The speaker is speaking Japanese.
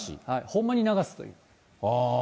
ほんまに流すという。